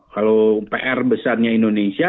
kalau pr besarnya indonesia